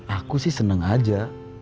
aku sih seneng aja